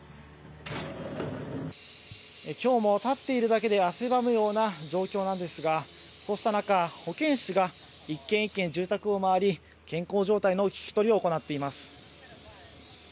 きょうも立っているだけで汗ばむような状況なんですがこうした中、保健師が一軒一軒住宅を回り健康状態の聞き取りを行っています。